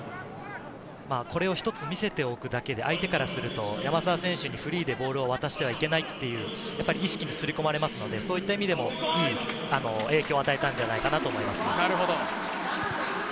これを一つ見せておくだけで相手からすると、山沢選手、フリーでボールを渡してはいけないっていう意識が刷り込まれますので、そういった意味でも影響を与えたんじゃないかなと思います。